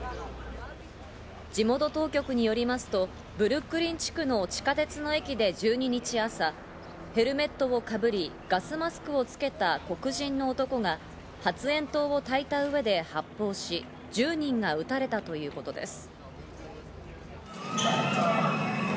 地元当局によりますとブルックリン地区の地下鉄の駅で１２日朝、ヘルメットをかぶりガスマスクをつけた黒人の男が発煙筒を炊いた上で発砲し、１０人が撃たれたということです。